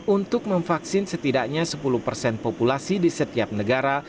untuk memvaksin setidaknya sepuluh persen populasi di setiap negara